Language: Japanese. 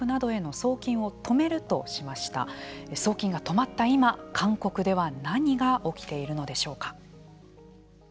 送金が止まった今韓国では何が起きているのでしょうか。